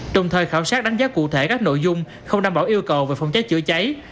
đồng thời khảo sát đánh giá cụ thể các nội dung không đảm bảo yêu cầu về phòng cháy chữa cháy